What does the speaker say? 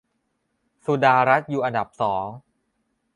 สุดารัตน์อยู่อันดับสอง